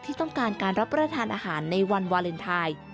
ที่ต้องการการรับประทานอาหารในวันวาเลนไทย